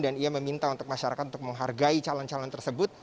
dan ia meminta untuk masyarakat untuk menghargai calon calon tersebut